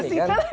di situ kan